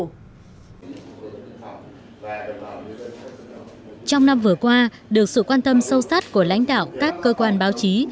trong năm vừa qua được sự quan tâm sâu sát của lãnh đạo các cơ quan báo chí